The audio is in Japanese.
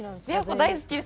大好きです。